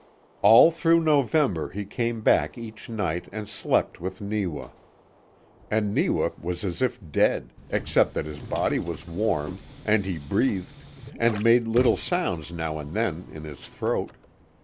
All through November he came back each night and slept with Neewa. And Neewa was as if dead, except that his body was warm, and he breathed, and made little sounds now and then in his throat.